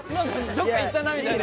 どっか行ったなみたいな。